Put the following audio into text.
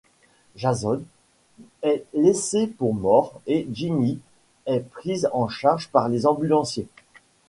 Jason est laissé pour mort et Ginny est prise en charge par les ambulanciers.